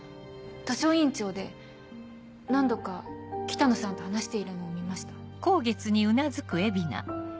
図書委員長で何度か北野さんと話しているのを見ました。